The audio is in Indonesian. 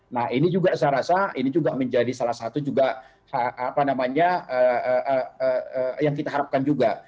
nah ini juga saya rasa ini juga menjadi salah satu juga apa namanya yang kita harapkan juga